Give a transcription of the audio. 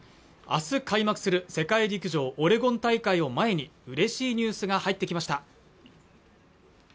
明日開幕する世界陸上オレゴン大会を前にうれしいニュースが入ってきました